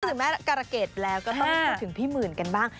ถึงแม่การะเกดแล้วก็ต้องพูดถึงพี่หมื่นกันบ้าง